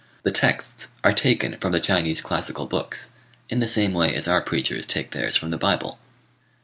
The texts are taken from the Chinese classical books, in the same way as our preachers take theirs from the Bible.